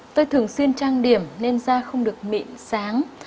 tôi thường xuyên trang điểm nên da không được mịn sáng